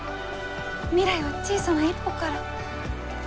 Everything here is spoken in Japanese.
未来は小さな一歩から。